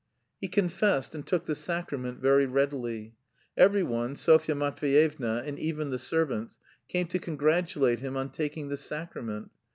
He confessed and took the sacrament very readily. Every one, Sofya Matveyevna, and even the servants, came to congratulate him on taking the sacrament.